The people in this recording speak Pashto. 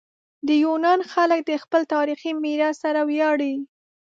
د یونان خلک د خپل تاریخي میراث سره ویاړي.